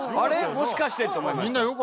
もしかして」と思いました。